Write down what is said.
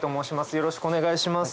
よろしくお願いします。